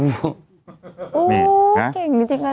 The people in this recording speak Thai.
ศูนย์อุตุนิยมวิทยาภาคใต้ฝั่งตะวันอ่อค่ะ